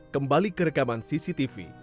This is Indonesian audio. kembali ke rekaman cctv